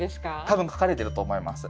多分書かれてると思います。